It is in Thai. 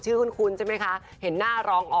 คุ้นใช่ไหมคะเห็นหน้าร้องอ๋อ